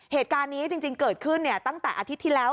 เหตุการณ์นี้จริงเกิดขึ้นตั้งแต่อาทิตย์ที่แล้ว